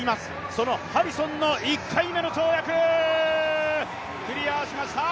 そのハリソンの１回目の跳躍、クリアしました。